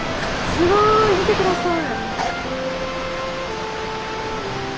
すごい、見てください。